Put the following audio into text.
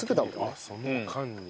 あっその間に。